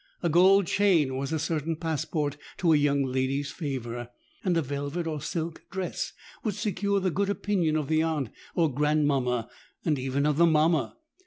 A gold chain was a certain passport to a young lady's favour; and a velvet or silk dress would secure the good opinion of the aunt or grandmamma, and even of the mamma.